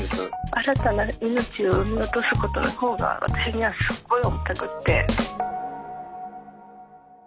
新たな命を産み落とすことの方が私にはすっごい重たくって。